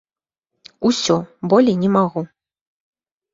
Усё, болей не магу.